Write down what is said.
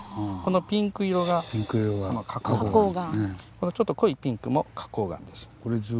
このちょっと濃いピンクも花崗岩です。